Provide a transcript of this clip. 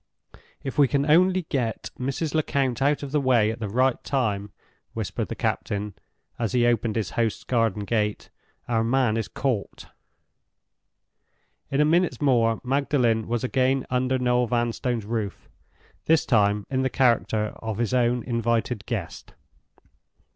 "If we can only get Mrs. Lecount out of the way at the right time," whispered the captain, as he opened his host's garden gate, "our man is caught!" In a minute more Magdalen was again under Noel Vanstone's roof; this time in the character of his own invited guest.